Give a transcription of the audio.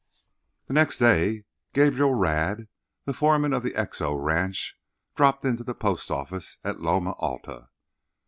The next day Gabriel Radd, the foreman of the X O Ranch, dropped into the post office at Loma Alta.